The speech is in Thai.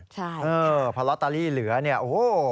เพราะลอตเตอรี่เหลือโอ้โฮ